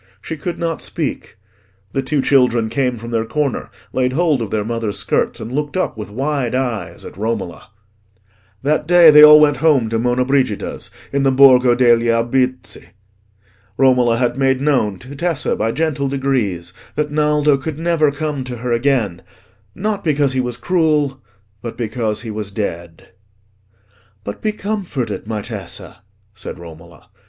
She could not speak. The two children came from their corner, laid hold of their mother's skirts, and looked up with wide eyes at Romola. That day they all went home to Monna Brigida's, in the Borgo degli Albizzi. Romola had made known to Tessa, by gentle degrees, that Naldo could never come to her again: not because he was cruel, but because he was dead. "But be comforted, my Tessa," said Romola.